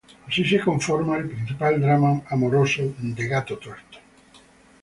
Así se conforma el principal drama amoroso de Gato Tuerto.